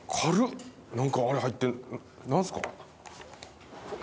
何かあれ入って何すか？